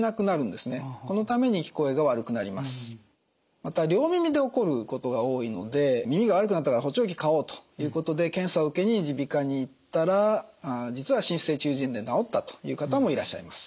また両耳で起こることが多いので耳が悪くなったから補聴器買おうということで検査を受けに耳鼻科に行ったら実は滲出性中耳炎で治ったという方もいらっしゃいます。